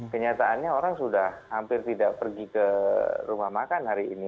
kenyataannya orang sudah hampir tidak pergi ke rumah makan hari ini